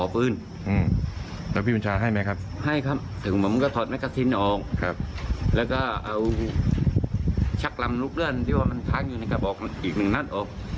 ถึงผมก็เทาะแม็กซินต์ออกและจับลำลุ๊คเรือนที่มันพาทางอยู่ในกระบอกอีกนึงนัดออก